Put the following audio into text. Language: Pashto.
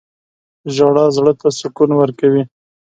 • ژړا زړه ته سکون ورکوي.